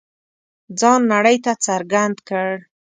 ځان نړۍ ته څرګند کړ.